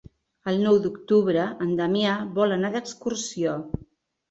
El nou d'octubre en Damià vol anar d'excursió.